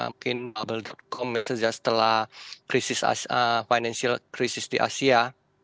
mungkin bubble com saja setelah krisis financial krisis di asia